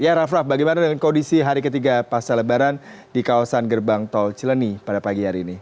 ya raff raff bagaimana dengan kondisi hari ketiga pasca lebaran di kawasan gerbang tol cileni pada pagi hari ini